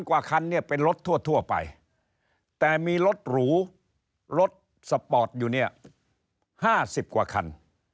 กว่าคันเนี่ยเป็นรถทั่วไปแต่มีรถหรูรถสปอร์ตอยู่เนี่ย๕๐กว่าคัน